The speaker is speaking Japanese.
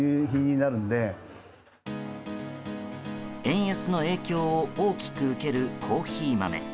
円安の影響を大きく受けるコーヒー豆。